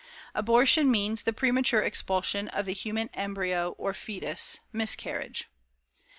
ABORTION means "the premature expulsion of the human embryo or foetus; miscarriage."